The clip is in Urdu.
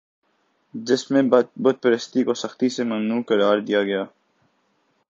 جس میں بت پرستی کو سختی سے ممنوع قرار دیا گیا